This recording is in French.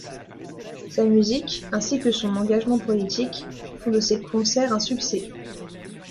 Sa musique, ainsi que son engagement politique, font de ses concerts un succès.